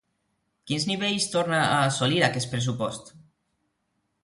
Quins nivells torna a assolir aquest pressupost?